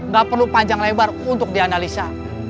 gak perlu panjang lebar untuk dianalisa